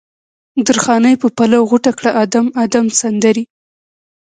درخانۍ په پلو غوټه کړه ادم، ادم سندرې